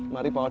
mari pak udi